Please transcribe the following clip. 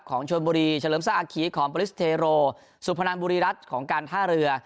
ชวนบุรีเฉลิมซาอาคีของปริสเทโรสุพนันบุรีรัฐของการท่าเรือ